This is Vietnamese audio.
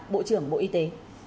bộ trưởng bộ y tế